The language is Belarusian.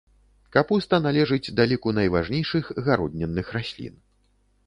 Капуста належыць да ліку найважнейшых гароднінных раслін.